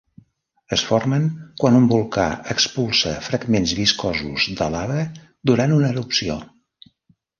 Es formen quan un volcà expulsa fragments viscosos de lava durant una erupció.